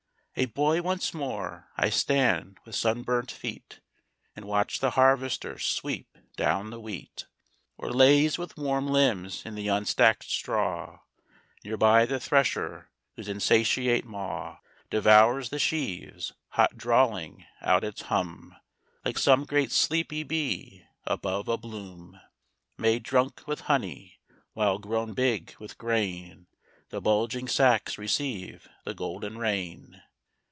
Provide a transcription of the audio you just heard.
A boy once more, I stand with sunburnt feet And watch the harvester sweep down the wheat; Or laze with warm limbs in the unstacked straw Nearby the thresher, whose insatiate maw Devours the sheaves, hot drawling out its hum Like some great sleepy bee, above a bloom, Made drunk with honey while, grown big with grain, The bulging sacks receive the golden rain.